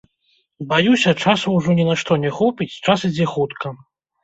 Баюся, часу ужо ні на што не хопіць, час ідзе хутка.